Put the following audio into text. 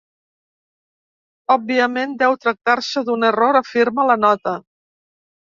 “Òbviament, deu tractar-se d’un error”, afirma la nota.